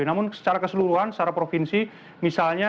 namun secara keseluruhan secara provinsi misalnya